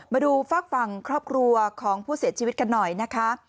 มาดูฝากฝั่งครอบครัวของผู้เสียชีวิตกันหน่อยนะคะ